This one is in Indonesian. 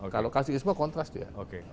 kalau kasih ispo kontras dia